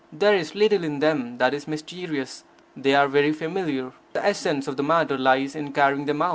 There is little in them that is mysterious. They are very familiar. The essence of the matter lies in carrying them out.